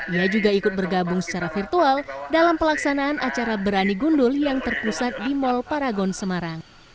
ia juga ikut bergabung secara virtual dalam pelaksanaan acara berani gundul yang terpusat di mall paragon semarang